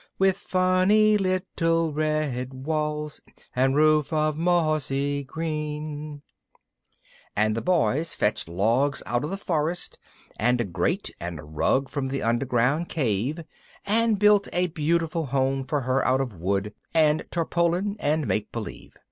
With fun ny lit tle red walls, And roof of mos sy green; and the Boys fetched logs out of the forest, and a grate and a rug from the underground cave, and built a beautiful home for her out of wood, and tarpaulin, and make believe.